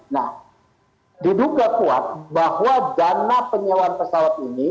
nah diduga kuat bahwa dana penyewaan pesawat ini